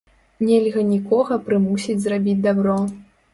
Нельга нікога прымусіць зрабіць дабро.